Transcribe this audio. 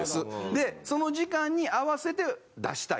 でその時間に合わせて出したいと。